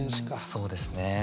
そうですね。